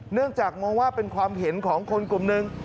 เนื่องจากมองว่าเป็นความเห็นของคนกลุ่มหนึ่ง